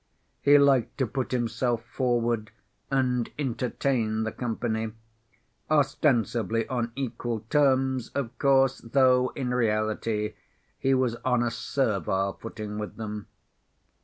He liked to put himself forward and entertain the company, ostensibly on equal terms, of course, though in reality he was on a servile footing with them.